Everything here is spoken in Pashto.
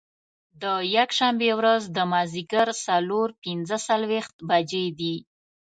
د یکشنبې ورځ د مازدیګر څلور پنځه څلوېښت بجې دي.